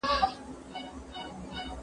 تل به تر لمني هر یوسف زلیخا نه نیسي